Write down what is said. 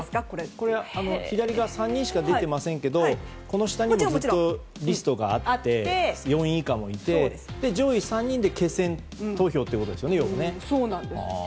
これ、左３人しか出ていませんがこの下にもずっとリストがあって４位以下もいて上位３人で決選投票ですよね。